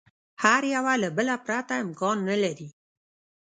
هر یوه له بله پرته امکان نه لري.